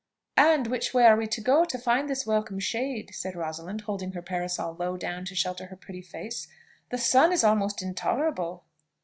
"And which way are we to go to find this welcome shade?" said Rosalind, holding her parasol low down to shelter her pretty face. "The sun is almost intolerable."